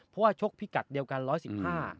เพราะว่าชกพิกัดเดียวกัน๑๑๕